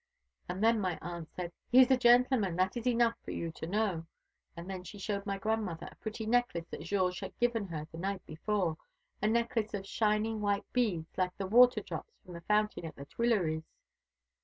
And then my aunt said, 'He is a gentleman; that is enough for you to know;' and then she showed my grandmother a pretty necklace that Georges had given her the night before a necklace of shining white beads, like the water drops from the fountain at the Tuileries."